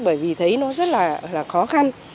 bởi vì thấy nó rất là khó khăn